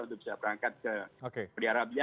untuk bisa berangkat ke saudi arabia